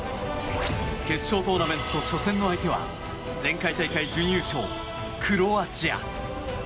決勝トーナメント初戦の相手は前回大会準優勝、クロアチア。